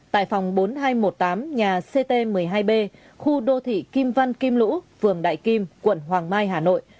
tại phòng bốn nghìn hai trăm một mươi tám nhà ct một mươi hai b khu đô thị kim văn kim lũ phường đại kim quận hoàng mai hà nội